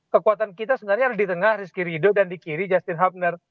kekuatan kita sebenarnya ada di tengah rizky ridho dan di kiri justin hubner